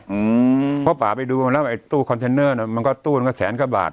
อืมเพราะป่าไปดูมาแล้วไอ้ตู้คอนเทนเนอร์น่ะมันก็ตู้มันก็แสนกว่าบาท